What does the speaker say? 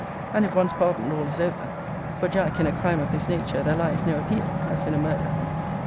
And, if once pardoned, all is over: for, Jack, in a crime of this nature there lies no appeal, as in a murder.